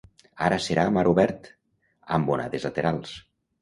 ara serà a mar obert, amb onades laterals